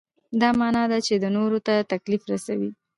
دا معنا ده چې نورو ته تکلیف رسوئ.